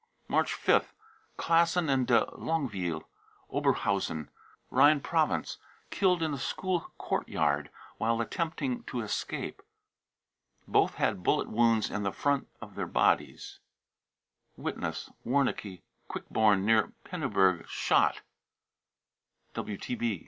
March 5th. klassen and de longue ville, Ober hausen (Rhine Province), killed in a school courtyard 44 while attempting to escape." Both had bullet wounds in the front of their bodies. * 34^ BROWN BOOK OF THE HITLER TERROR (Witness.) warnicke, Quickborn, near Pinneberg, shot.